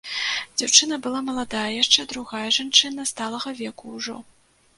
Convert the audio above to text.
Дзяўчына была маладая яшчэ, другая, жанчына, сталага веку ўжо.